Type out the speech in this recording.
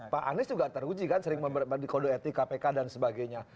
pak anis juga teruji kan sering dikode etik kpk dan sebagainya